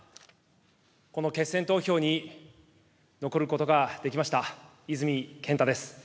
この決選投票に残ることができました、泉健太です。